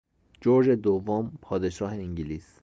جرج دوم پادشاه انگلیس